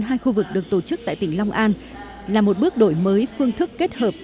hai khu vực được tổ chức tại tỉnh long an là một bước đổi mới phương thức kết hợp